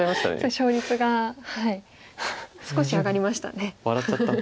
勝率が少し上がりましたね。